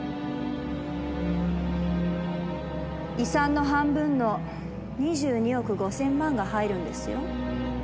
遺産の半分の２２億５０００万が入るんですよ？